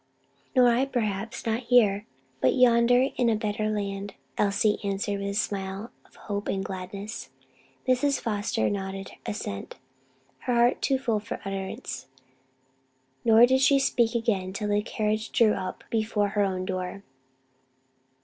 "Nor I, perhaps; not here, but yonder in the better land," Elsie answered with a smile of hope and gladness. Mrs. Foster nodded assent; her heart too full for utterance, nor did she speak again till the carriage drew up before her own door.